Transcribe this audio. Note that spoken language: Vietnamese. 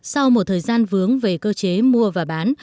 sau một thời gian vướng về cơ chế mua và bán